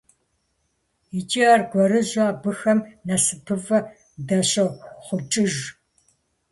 ИкӀи аргуэрыжьу абыхэм насыпыфӀэ дащӀохъукӀыж.